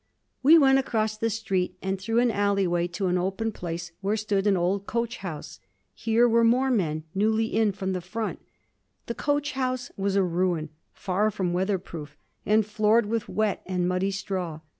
We went across the street and through an alleyway to an open place where stood an old coach house. Here were more men, newly in from the front. The coach house was a ruin, far from weather proof and floored with wet and muddy straw.